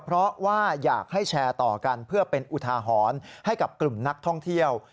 เพราะว่าอยากให้แชร์ต่อกันเพื่อเป็นอุทาหรณ์ให้กับกลุ่มนักท่องเที่ยว